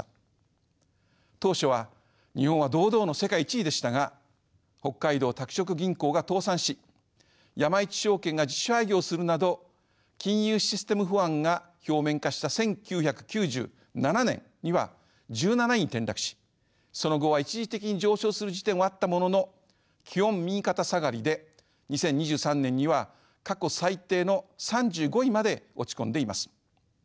当初は日本は堂々の世界１位でしたが北海道拓殖銀行が倒産し山一證券が自主廃業するなど金融システム不安が表面化した１９９７年には１７位に転落しその後は一時的に上昇する時点はあったものの基本右肩下がりで２０２３年には過去最低の３５位まで落ち込んでいます。